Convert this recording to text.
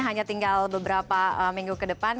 hanya tinggal beberapa minggu ke depan